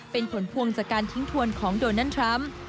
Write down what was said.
เป็นผลพวงจากการทิ้งทวนของโดนัลด์ทรัมป์